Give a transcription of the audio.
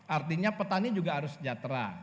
artinya petani juga harus sejahtera